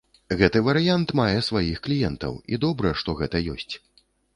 Гэты варыянт мае сваіх кліентаў, і добра, што гэта ёсць.